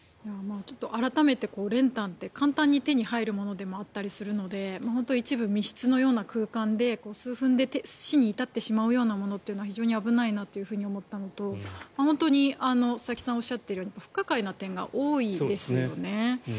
改めて練炭って簡単に手に入るものでもあったりするので一部、密室のような空間で数分で死に至ってしまうようなものは非常に危ないなと思ったのと本当に佐々木さんがおっしゃっているように不可解な点が多いですよね。